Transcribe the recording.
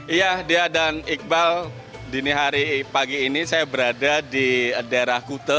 iya dia dan iqbal dini hari pagi ini saya berada di daerah kute